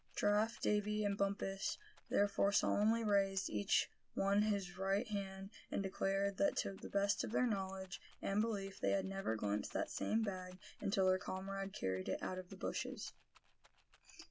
Giraffe, Davy, and Bumpus thereupon solemnly raised, each one his right hand, and declared that to the best of their knowledge and belief they had never glimpsed that same bag until their comrade carried it out of the bushes.